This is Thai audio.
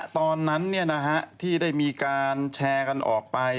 ตอนนั้นที่ได้มีการแชร์กันออกไป